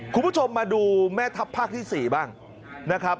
คุณผู้ชมมาดูแม่ทัพภาคที่๔บ้างนะครับ